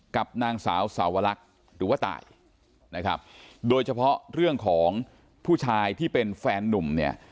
กับนางสาวสาวลักษณ์หรือว่าตายนะครับโดยเฉพาะเรื่องของผู้ชายที่เป็นแฟนนุ่มเนี่ย